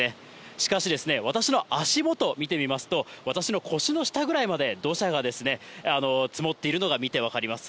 しかし、私の足元見てみますと、私の腰の下ぐらいまで、土砂が積もっているのが見て取れます。